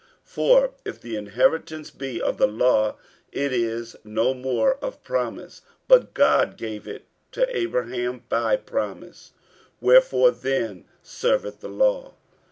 48:003:018 For if the inheritance be of the law, it is no more of promise: but God gave it to Abraham by promise. 48:003:019 Wherefore then serveth the law?